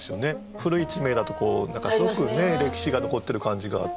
古い地名だと何かすごく歴史が残ってる感じがあって。